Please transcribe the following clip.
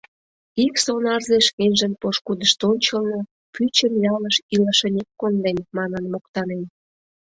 Ик сонарзе шкенжын пошкудышт ончылно, пӱчым ялыш илышынек кондем, манын моктанен.